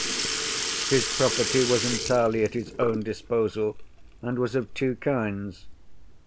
His property was entirely at his own disposal, and was of two kinds.